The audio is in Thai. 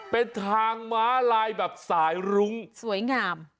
เป็นทางม้าลายแบบสายรุ้งสวยงาม